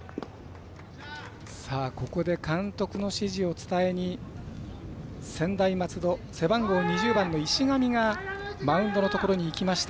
ここで監督の指示を伝えに専大松戸、背番号２０番の石神が、マウンドのところに行きました。